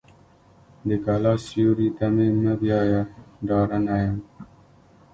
د کلا سیوري ته مې مه بیایه ډارنه یم.